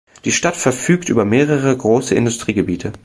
Die Stadt verfügt über mehrere große Industriegebiete.